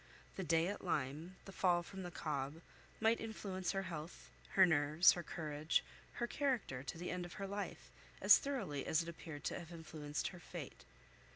The day at Lyme, the fall from the Cobb, might influence her health, her nerves, her courage, her character to the end of her life, as thoroughly as it appeared to have influenced her fate.